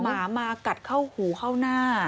หมามากัดเข้าหูเข้าหน้า